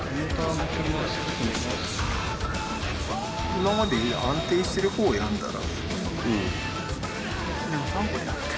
今までに安定してるほうを選んだら？